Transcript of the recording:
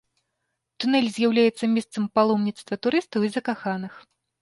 Тунэль з'яўляецца месцам паломніцтва турыстаў і закаханых.